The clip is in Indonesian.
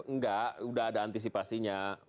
enggak udah ada antisipasinya